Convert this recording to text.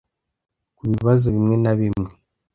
ku bibazo bimwe na bimwe